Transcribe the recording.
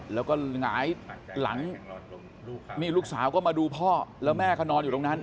แล้วก็หงายหลังนี่ลูกสาวก็มาดูพ่อแล้วแม่ก็นอนอยู่ตรงนั้น